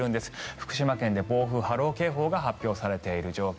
福島県で暴風・波浪警報が発表されている状況。